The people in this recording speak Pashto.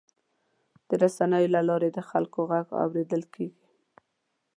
د رسنیو له لارې د خلکو غږ اورېدل کېږي.